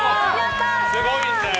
すごいんだよ。